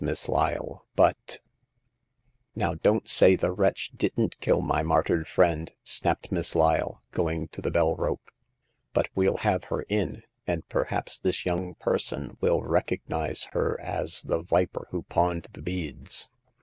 Miss Lyle, but '• "Now, don't say the wretch didn't kill my martyred friend," snapped Miss Lyle, going to the bell rope ;but well have her in, and per haps this young person will recognize her as the viper who pawned the beads."